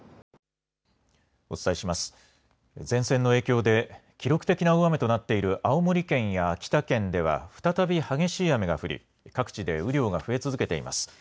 前線の影響で記録的な大雨となっている青森県や秋田県では再び激しい雨が降り各地で雨量が増え続けています。